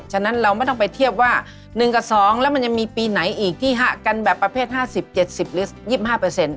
ฉะนั้นเราไม่ต้องไปเทียบว่า๑กับ๒แล้วมันยังมีปีไหนอีกที่หะกันแบบประเภท๕๐๗๐หรือ๒๕